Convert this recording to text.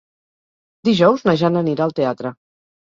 Dijous na Jana anirà al teatre.